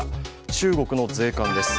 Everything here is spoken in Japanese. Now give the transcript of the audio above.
中国の税関です。